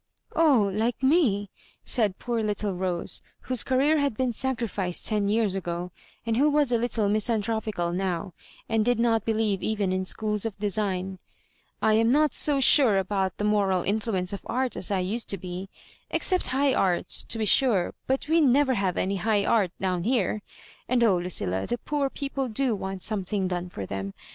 *'0h, like me I" said poor little Rose, whose Career had been sacrificed ten years ago, and who was a little misanthropical now, and did not believe even in schools of design; I am not so sure about the moral mfluence of Art as I used to be— except High Art, to be sure; but we never have any High Art down here. And oh, Lucilla ! the poor people da want something done for them.